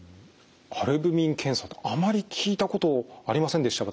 アルブミン検査とあまり聞いたことありませんでした私。